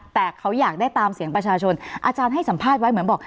แต่เขาอยากได้ตามเสียงประชาชนอาจารย์ให้สัมภาษณ์ไว้เหมือนบอก